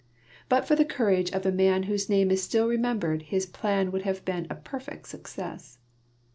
But for the courage of a man whose name is still remembered his plan would have been a perfect success.